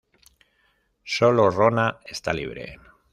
Solo Rona está libre.